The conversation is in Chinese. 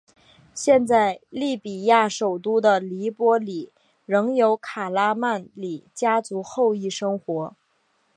现在利比亚首都的黎波里仍有卡拉曼里家族后裔生活。